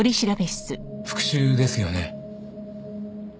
復讐ですよね？